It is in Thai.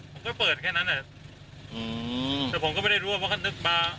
ผมก็เปิดแค่นั้นอ่ะอืมแต่ผมก็ไม่ได้รู้ว่าเพราะเขานึกมา